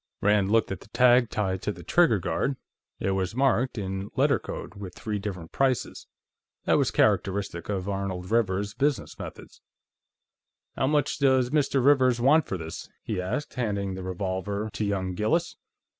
Rand looked at the tag tied to the trigger guard; it was marked, in letter code, with three different prices. That was characteristic of Arnold Rivers's business methods. "How much does Mr. Rivers want for this?" he asked, handing the revolver to young Gillis.